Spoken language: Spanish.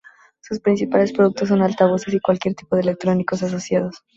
Sus principales productos son altavoces y cualquier tipo de electrónicos asociados.